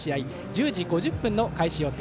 １０時５０分の開始予定。